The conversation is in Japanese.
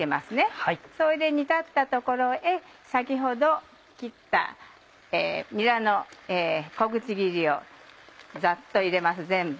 それで煮立ったところへ先ほど切ったにらの小口切りをざっと入れます全部。